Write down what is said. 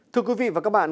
thưa quý vị và các bạn